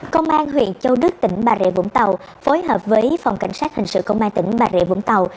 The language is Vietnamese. công an huyện châu đức tỉnh bà rịa vũng tàu phối hợp với phòng cảnh sát hình sự công an tỉnh bà rịa vũng tàu